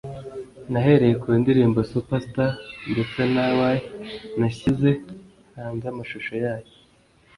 nahereye ku ndirimbo Super Star ndetse na why nashyize hanze amashusho yayo